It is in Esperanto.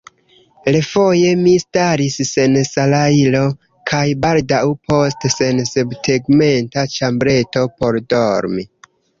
Refoje mi staris sen salajro, kaj baldaŭ poste sen subtegmenta ĉambreto por dormi.